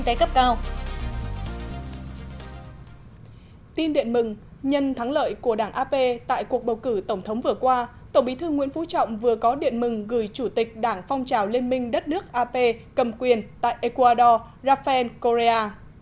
tin điện mừng nhân thắng lợi của đảng ap tại cuộc bầu cử tổng thống vừa qua tổng bí thư nguyễn phú trọng vừa có điện mừng gửi chủ tịch đảng phong trào liên minh đất nước ap cầm quyền tại ecuador rafael korea